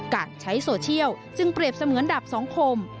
การใช้โซเชียลจึงเปรียบเสมือนดาบสองคม